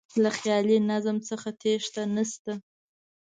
له خیالي نظم څخه تېښته نه شته.